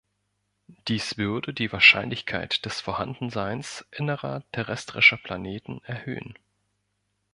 Dies würde die Wahrscheinlichkeit des Vorhandenseins innerer terrestrischer Planeten erhöhen.